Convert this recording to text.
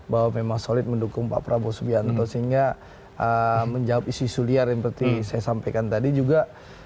bahwa memang solid mendukung pak prabowo subianto sehingga menjawab isu isu liar yang seperti saya sampaikan tadi juga